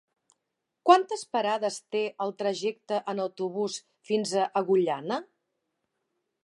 Quantes parades té el trajecte en autobús fins a Agullana?